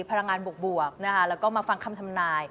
พลังงานบวกนะคะแล้วก็มาฟังคำทำนาย